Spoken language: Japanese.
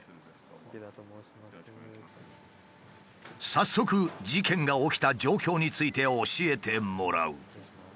早速事件が起きた状況について教えてもらう。